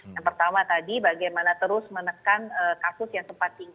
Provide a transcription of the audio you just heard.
yang pertama tadi bagaimana terus menekan kasus pandemi